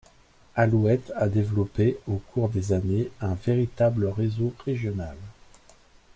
Alouette a développé au cours des années un véritable réseau régional.